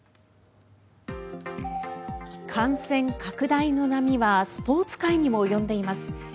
感染拡大の波はスポーツ界にも及んでいます。